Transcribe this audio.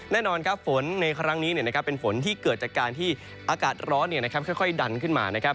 แน่นอนครับฝนในครั้งนี้เป็นฝนที่เกิดจากการที่อากาศร้อนค่อยดันขึ้นมานะครับ